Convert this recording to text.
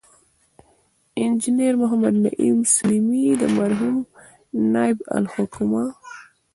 انجنیر محمد نعیم سلیمي، مرحوم نایب الحکومه